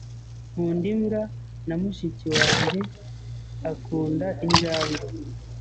Nkunda imbwa na mushiki wanjye akunda injangwe.